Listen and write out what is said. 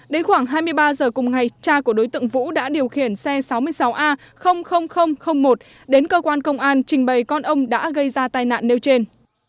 đến khoảng hai mươi ba h cùng ngày cha của đối tượng vũ đã điều khiển xe sáu mươi sáu a một đến cơ quan công an trình bày con ông đã gây ra tai nạn nêu trên